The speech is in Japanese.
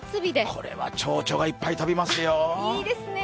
これはちょうちょがいっぱい飛びますね。